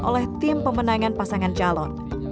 oleh tim pemenangan pasangan calon